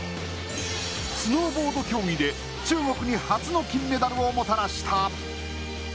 スノーボード競技で中国に初の金メダルをもたらした。